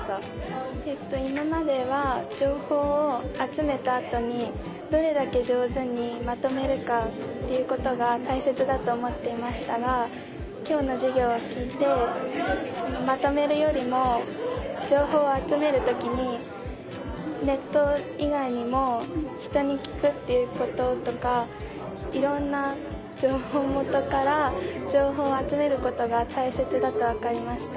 今までは情報を集めた後にどれだけ上手にまとめるかっていうことが大切だと思っていましたが今日の授業を聞いてまとめるよりも情報を集める時にネット以外にも人に聞くっていうこととかいろんな情報元から情報を集めることが大切だと分かりました。